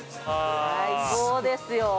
最高ですよ。